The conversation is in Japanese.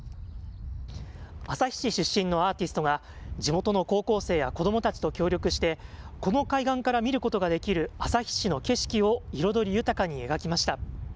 旭市出身のアーティストが、地元の高校生や子どもたちと協力して、この海岸から見ることができる旭市の景色を彩り豊かに描きました。